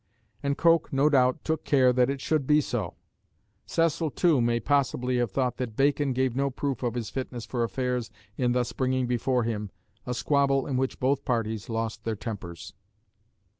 And Coke, no doubt, took care that it should be so. Cecil, too, may possibly have thought that Bacon gave no proof of his fitness for affairs in thus bringing before him a squabble in which both parties lost their tempers.